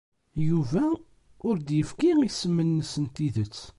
Yuba ur d-yefki isem-nnes n tidet.